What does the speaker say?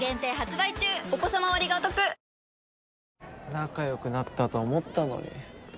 仲良くなったと思ったのに。